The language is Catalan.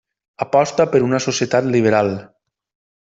Aposta per una societat liberal.